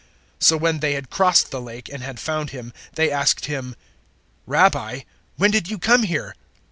006:025 So when they had crossed the Lake and had found Him, they asked Him, "Rabbi, when did you come here?"